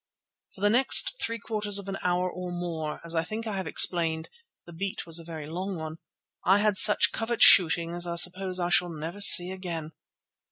For the next three quarters of an hour or more—as I think I have explained, the beat was a very long one—I had such covert shooting as I suppose I shall never see again.